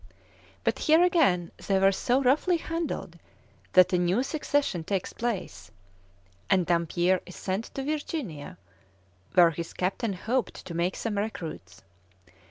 But here again they were so roughly handled that a new secession takes place, and Dampier is sent to Virginia, where his captain hoped to make some recruits.